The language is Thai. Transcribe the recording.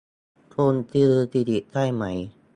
คุณคือสิริใช่ไหม